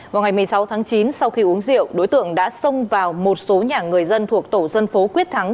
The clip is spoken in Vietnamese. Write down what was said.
vào ngày một mươi sáu tháng chín sau khi uống rượu đối tượng đã xông vào một số nhà người dân thuộc tổ dân phố quyết thắng